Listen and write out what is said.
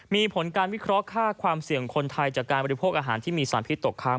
มีผลการวิเคราะห์ค่าความเสี่ยงคนไทยจากการบริโภคอาหารที่มีสารพิษตกค้าง